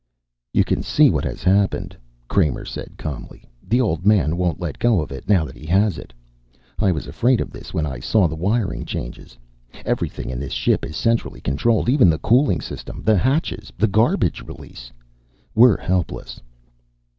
"You can see what has happened," Kramer said calmly. "The old man won't let go of it, now that he has it. I was afraid of this when I saw the wiring changes. Everything in this ship is centrally controlled, even the cooling system, the hatches, the garbage release. We're helpless."